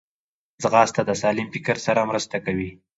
ځغاسته د سالم فکر سره مرسته کوي